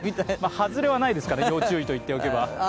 外れはないですからね、要注意と言っておけば。